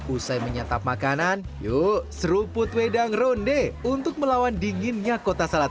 usai menyantap makanan yuk seruput wedang ronde untuk melawan dinginnya kota salat